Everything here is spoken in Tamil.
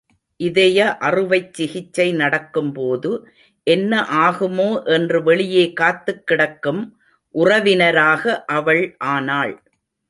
இதய அறுவைச் சிகிச்சை நடக்கும்போது என்ன ஆகுமோ என்று வெளியே காத்துக் கிடக்கும் உறவினராக அவள் ஆனாள்.